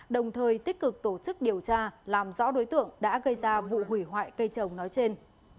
đồng thời tích cực tổ chức điều tra làm rõ đối tượng đã gây ra vụ hủy hoại cây trồng nói trên